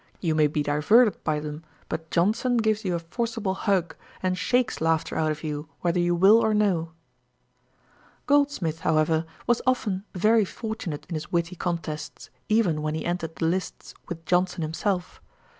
You may be diverted by them; but Johnson gives you a forcible hug, and shakes laughter out of you, whether you will or no.' Goldsmith, however, was often very fortunate in his witty contests, even when he entered the lists with Johnson himself.